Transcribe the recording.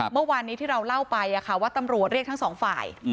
เมื่อวานนี้ที่เราเล่าไปว่าตำรวจเรียกทั้งสองฝ่าย